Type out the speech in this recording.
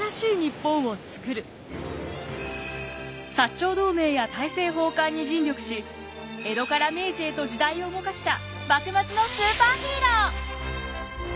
長同盟や大政奉還に尽力し江戸から明治へと時代を動かした幕末のスーパーヒーロー！